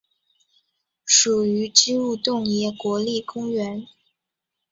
属于支笏洞爷国立公园。